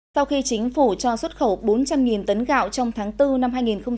sau khi chính phủ cho xuất khẩu bốn trăm linh tấn gạo trong tháng bốn năm hai nghìn hai mươi